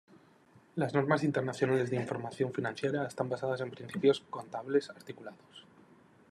Las Normas Internacionales de Información Financiera están basadas en principios contables articulados.